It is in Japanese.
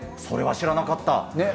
それは知らなかった。